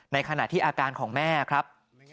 ในขณะที่อาการของแม่ครับ